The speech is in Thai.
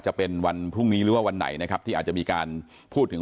จะเป็นวันพรุ่งนี้หรือว่าวันไหนนะครับที่อาจจะมีการพูดถึง